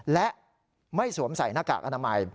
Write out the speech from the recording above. และไม่สวมใส่หน้ากากอนามัย